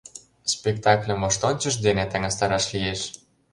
Спектакльым воштончыш дене таҥастараш лиеш.